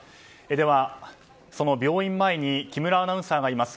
では、その病院前に木村アナウンサーがいます。